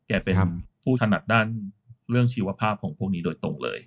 เป็นผู้ถนัดด้านเรื่องชีวภาพของพวกนี้โดยตรงเลย